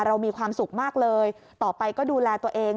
เรามีความสุขมากเลยต่อไปก็ดูแลตัวเอง